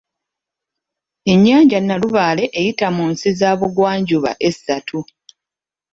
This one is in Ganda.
Ennyanja Nalubaale eyita mu nsi za bugwanjuba essatu.